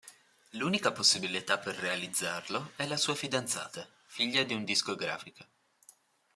L'unica possibilità per realizzarlo è la sua fidanzata, figlia di un discografico.